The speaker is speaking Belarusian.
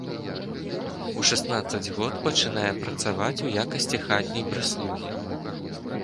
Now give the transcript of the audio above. У шаснаццаць год пачынае працаваць у якасці хатняй прыслугі.